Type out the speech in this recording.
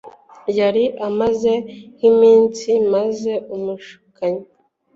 yari ameze nk'imitsima maze umushukanyi